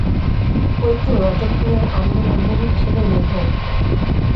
ঐ তো রজবপুরের আন্দো মুহুরির ছেলে মেধো।